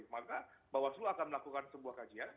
maka bawaslu akan melakukan sebuah kajian